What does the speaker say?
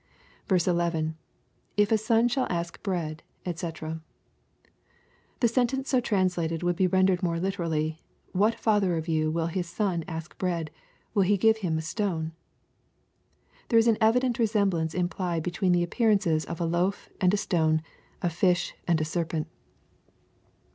11. — [If a son shall ash hread^ dec] The sentence so translated would be rendered more Uterally, " What father of you will hia son ask bread ? will he give him a stone ?" There is an evident resemblauce implied between the appear ances of a loaf and a stone, a fish and a serpent.